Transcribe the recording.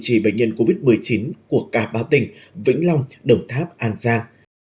trì bệnh nhân covid một mươi chín của cả ba tỉnh vĩnh long đồng tháp an giang